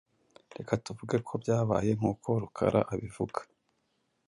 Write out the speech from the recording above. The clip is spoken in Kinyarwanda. Reka tuvuge ko byabaye nkuko Rukara abivuga.